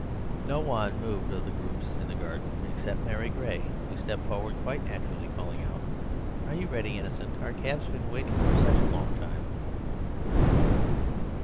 No one moved of the groups in the garden except Mary Gray, who stepped forward quite naturally, calling out, "Are you ready, Innocent? Our cab's been waiting such a long time."